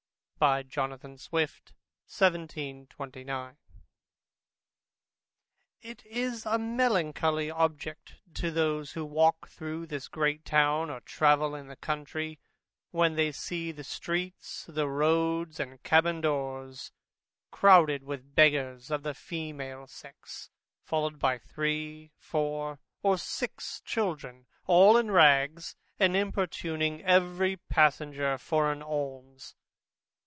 by Dr. Jonathan Swift 1729 It is a melancholy object to those, who walk through this great town, or travel in the country, when they see the streets, the roads, and cabbin doors crowded with beggars of the female sex, followed by three, four, or six children, all in rags, and importuning every passenger for an alms.